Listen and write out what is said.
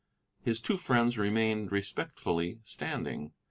His two friends remained respectfully standing.